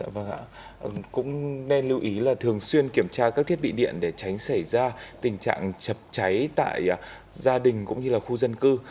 vâng ạ cũng nên lưu ý là thường xuyên kiểm tra các thiết bị điện để tránh xảy ra tình trạng chập cháy tại gia đình cũng như là khu dân cư